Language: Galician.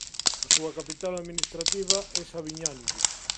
A súa capital administrativa é Sabiñánigo.